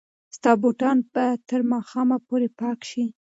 ستا بوټان به تر ماښامه پورې پاک شي.